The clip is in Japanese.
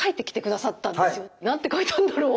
何て書いたんだろう？